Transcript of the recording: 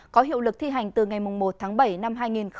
có hiệu lực thi hành từ ngày một tháng bảy năm hai nghìn hai mươi